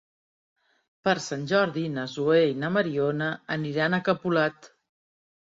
Per Sant Jordi na Zoè i na Mariona aniran a Capolat.